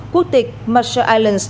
quốc tịch marshall islands